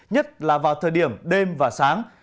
nhất là vào thời điểm đêm và sáng